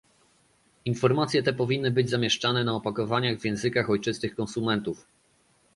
Informacje te powinny być zamieszczane na opakowaniach w językach ojczystych konsumentów